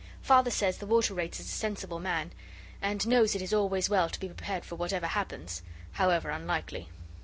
Father says the Water Rates is a sensible man, and knows it is always well to be prepared for whatever happens, however unlikely.